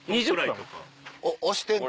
押してんの？